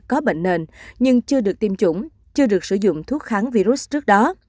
có bệnh nền nhưng chưa được tiêm chủng chưa được sử dụng thuốc kháng virus trước đó